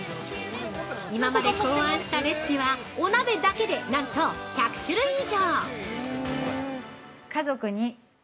今まで考案したレシピはお鍋だけでなんと１００種類以上！